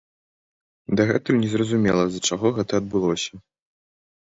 Дагэтуль незразумела, з-за чаго гэта адбылося.